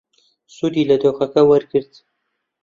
سوودی لە دۆخەکە وەرگرت.